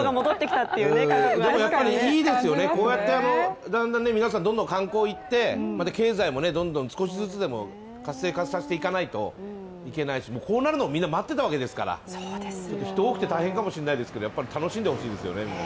やっぱりいいですよね、こうやってだんだん皆さん、どんどん観光に行って、また経済もどんどん少しずつでも活性化させないといけないしこうなるのをみんな待っていたわけですから、人多くて大変かもしれませんがやっぱり楽しんでほしいですよね。